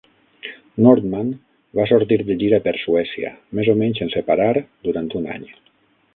Nordman va sortir de gira per Suècia, més o menys sense parar durant un any.